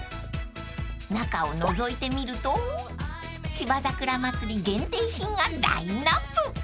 ［中をのぞいてみると芝桜まつり限定品がラインアップ］